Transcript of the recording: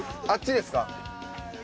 あっちですか？